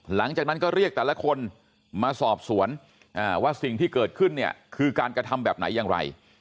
หลังจากนั้นก็เรียกแต่ละคนมาสอบสวนว่าสิ่งที่เกิดขึ้นเนี่ยคือการกระทำแบบไหนอย่างไร